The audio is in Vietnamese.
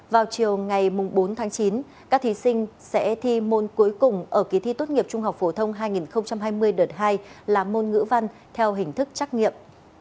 vào chiều ngày bốn tháng chín các thí sinh sẽ thi môn cuối cùng ở kỳ thi tốt nghiệp trung học phổ thông hai nghìn hai mươi đợt hai là môn ngữ văn theo hình thức trắc nghiệm